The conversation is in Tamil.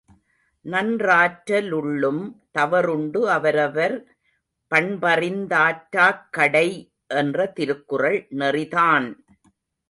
நன்றாற்ற லுள்ளும் தவறுண்டு அவரவர் பண்பறிந் தாற்றாக் கடை என்ற திருக்குறள் நெறிதான்!